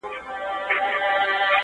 نا نه زما نه نه کېږي دا نه کيږي دا نه شي